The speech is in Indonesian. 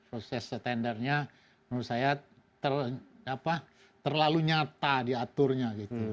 proses standarnya menurut saya terlalu nyata diaturnya gitu